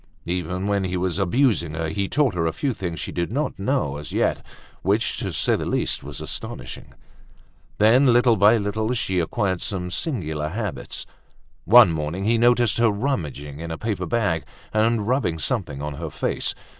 Even when he was abusing her, he taught her a few things she did not know as yet, which, to say the least was astonishing. Then, little by little she acquired some singular habits. One morning he noticed her rummaging in a paper bag and rubbing something on her face.